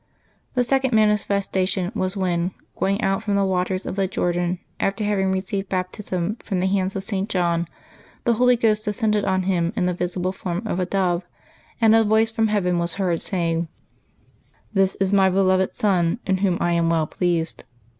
The second manifes tation was when, going out from the waters of the Jordan after having received Baptism from the hands of St. John, the Holy Ghost descended on Him in the visible form of a dove, and a voice from heaven was heard, saying, " This is My beloved Son, in Whom I am well pleased."